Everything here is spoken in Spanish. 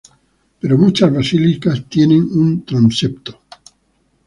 Pero muchas basílicas tienen un transepto.